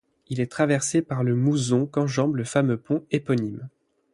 Il est traversé par le Mouzon qu'enjambe le fameux pont éponyme.